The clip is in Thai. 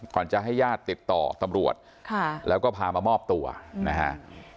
จะให้ญาติติดต่อตำรวจแล้วก็พามามอบตัวนะฮะ